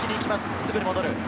すぐに戻る。